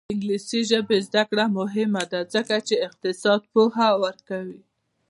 د انګلیسي ژبې زده کړه مهمه ده ځکه چې اقتصاد پوهه ورکوي.